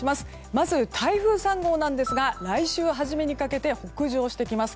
まず台風３号なんですが来週初めにかけて北上してきます。